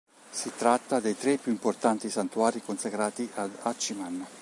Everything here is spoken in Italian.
Si tratta dei tre più importanti santuari consacrati ad Hachiman.